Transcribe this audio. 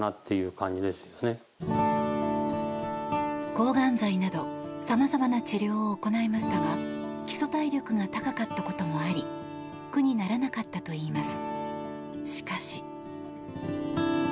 抗がん剤などさまざまな治療を行いましたが基礎体力が高かったこともあり苦にならなかったといいます。